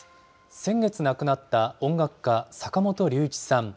先月亡くなった音楽家、坂本龍一さん。